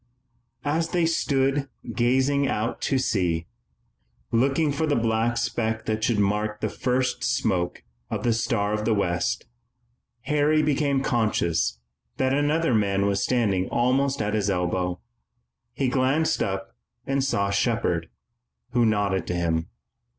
As they stood there gazing out to sea, looking for the black speck that should mark the first smoke of the Star of the West, Harry became conscious that another man was standing almost at his elbow. He glanced up and saw Shepard, who nodded to him.